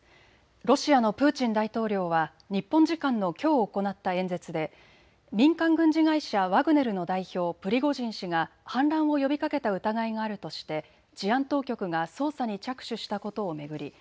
ロシアのプーチン大統領は日本時間のきょう行った演説で民間軍事会社、ワグネルの代表、プリゴジン氏が反乱を呼びかけた疑いがあるとして治安当局が捜査に着手したことを巡り